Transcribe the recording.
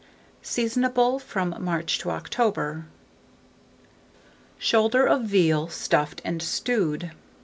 Seasonable from March to October. SHOULDER OF VEAL, Stuffed and Stewed.